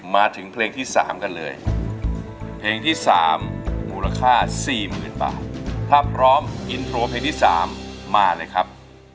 มาถึงเพลงที่สามกันเลยเพลงที่สามมูลค่าสี่หมื่นบาทถ้าพร้อมอินโทรเพลงที่สามมาเลยครับ